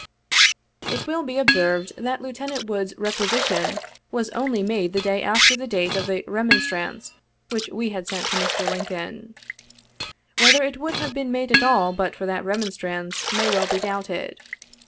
It will be observed that Lieutenant Wood's requisition was only made the day after the date of the " remon strance" which we had sent to Mr. Lincoln. Whether it would have been made at all but for that remonstrance, may well be doubted.